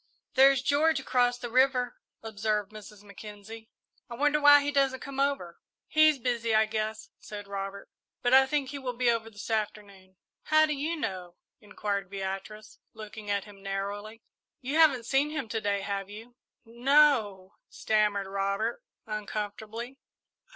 "There's George across the river," observed Mrs. Mackenzie. "I wonder why he doesn't come over!" "He's busy, I guess," said Robert; "but I think he will be over this afternoon." "How do you know?" inquired Beatrice, looking at him narrowly. "You haven't seen him to day, have you?" "N no," stammered Robert, uncomfortably.